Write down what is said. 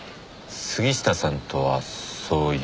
杉下さんとはそういう？